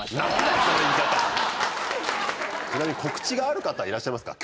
ちなみに告知がある方はいらっしゃいますか？